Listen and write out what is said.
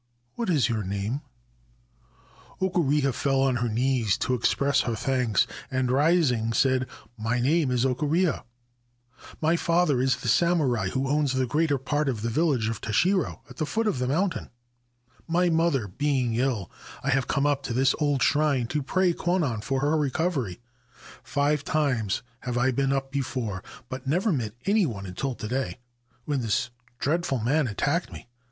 What is your name ?' Okureha fell on her knees to express her thanks, and, rising, said : c My name is Okureha. My father is the samurai who owns the greater part of the village of Tashiro, at the foot of the mountain. My mother being 179 Ancient Tales and Folklore of Japan ill, I have come up to this old shrine to pray Kwannon for her recovery. Five times have I been up before, but never met any one until to day, when this dreadful man attacked me.